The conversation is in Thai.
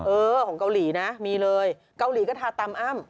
เออของเกาหลีนะมีเลยเกาหลีก็ทาตามอ้ำ